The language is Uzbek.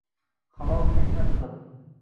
Halol mehnat qil